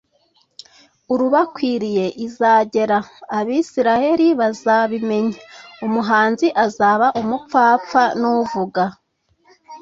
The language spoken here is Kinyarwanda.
urubakwiriye izagera v abisirayeli bazabimenya w umuhanuzi azaba umupfapfa y n uvuga